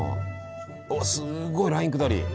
おっすごいライン下り。